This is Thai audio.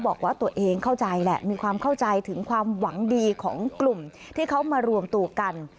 บอกว่าตัวเองเข้าใจแหละมีความเข้าใจถึงความหวังดีของกลุ่มที่เขามารวมตัวกัน